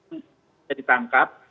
gak bisa ditangkap